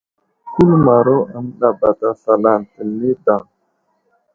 Kuləmaro a mətabata slal ane tə nay daw.